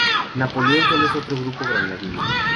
Napoleón Solo es otro grupo granadino.